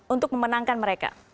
untuk memenangkan mereka